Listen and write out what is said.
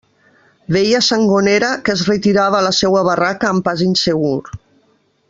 Veia Sangonera que es retirava a la seua barraca amb pas insegur.